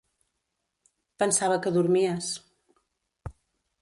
Pensava que dormies.